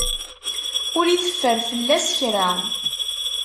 Ur iteffer fell-as kra.